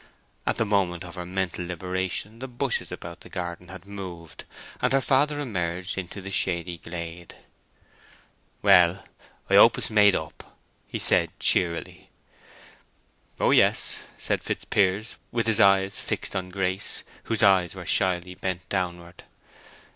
At the moment of her mental liberation the bushes about the garden had moved, and her father emerged into the shady glade. "Well, I hope it is made up?" he said, cheerily. "Oh yes," said Fitzpiers, with his eyes fixed on Grace, whose eyes were shyly bent downward.